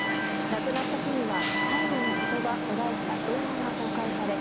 亡くなった日には「最期の言葉」と題した動画が公開され